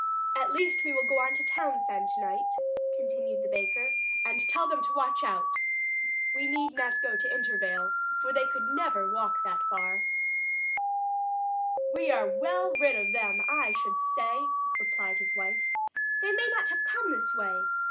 "At least we will go on to Townsend tonight," continued the baker, "and tell them to watch out. We need not go to Intervale, for they never could walk so far." "We are well rid of them, I should say," replied his wife. "They may not have come this way.